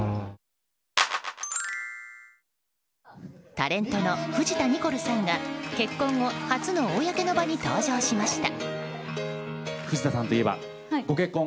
タレントの藤田ニコルさんが結婚後初の公の場に登場しました。